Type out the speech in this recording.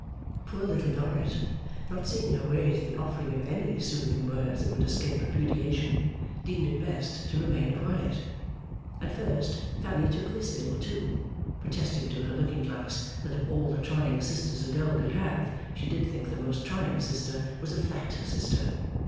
Poor Little Dorrit, not seeing her way to the offering of any soothing words that would escape repudiation, deemed it best to remain quiet. At first, Fanny took this ill, too; protesting to her looking glass, that of all the trying sisters a girl could have, she did think the most trying sister was a flat sister.